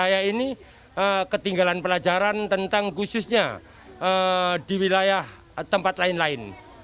saya ini ketinggalan pelajaran tentang khususnya di wilayah tempat lain lain